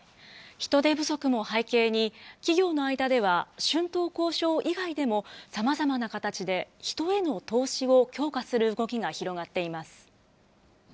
人手不足も背景に、企業の間では、春闘交渉以外でもさまざまな形で、人への投資を強化する動きが広がっています。